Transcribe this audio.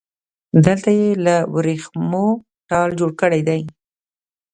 دلته يې له وريښمو ټال جوړ کړی دی